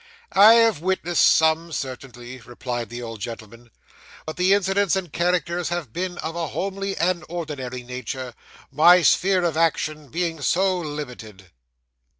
'I have witnessed some certainly,' replied the old gentleman, 'but the incidents and characters have been of a homely and ordinary nature, my sphere of action being so very limited.